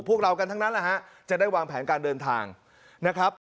พวกเรากันทั้งนั้นแหละฮะจะได้วางแผนการเดินทางนะครับ